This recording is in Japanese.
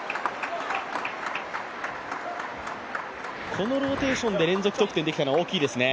このローテーションで連続得点できたのは大きいですね。